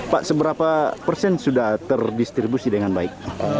pak seberapa persen sudah terdistribusi dengan baik